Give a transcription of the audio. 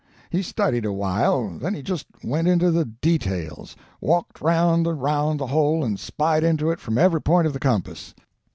He studied a while, then he just went into the Details walked round and round the hole and spied into it from every point of the compass.